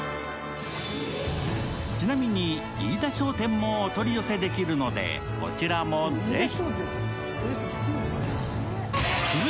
ちなみに飯田商店もお取り寄せできるので、こちらもぜひ。